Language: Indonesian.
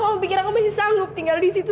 apa kamu pikir aku masih sanggup tinggal disitu